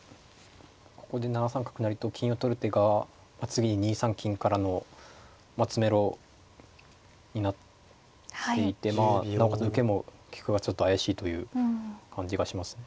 ここで７三角成と金を取る手が次に２三金からの詰めろになっていてまあなおかつ受けも利くかがちょっと怪しいという感じがしますね。